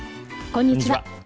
こんにちは。